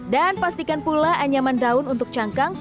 dan pastikan pula anyaman daun untuk cangkang sudah